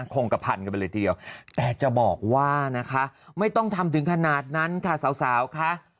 คงกระพันกันไปเลยทีเดียวแต่จะบอกว่านะคะไม่ต้องทำถึงขนาดนั้นค่ะสาวค่ะ